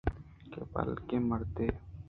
کہ بلکیں مردمے